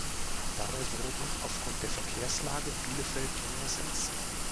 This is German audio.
Dabei wurde aufgrund der Verkehrslage Bielefeld neuer Sitz.